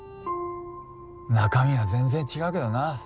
中身は全然違うけどな。